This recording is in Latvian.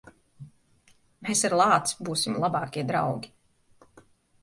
Mēs ar lāci būsim labākie draugi.